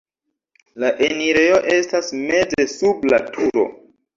La enirejo estas meze sub la turo.